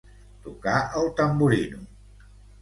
Tocar el tamborino.